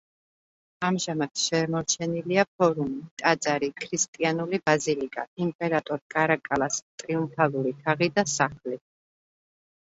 ამჟამად შემორჩენილია ფორუმი, ტაძარი, ქრისტიანული ბაზილიკა, იმპერატორ კარაკალას ტრიუმფალური თაღი და სახლი.